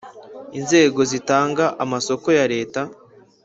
Inzego zitanga amasoko ya leta